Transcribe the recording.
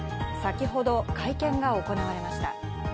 先ほど会見が行われました。